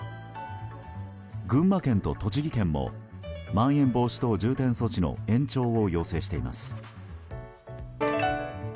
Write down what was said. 群馬県と栃木県もまん延防止等重点措置の延長を要請しています。